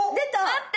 待って。